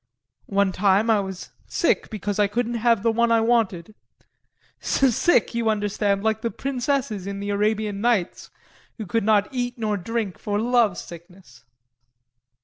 One time I was sick because I couldn't have the one I wanted sick, you understand, like the princesses in the Arabian Nights who could not eat nor drink for love sickness.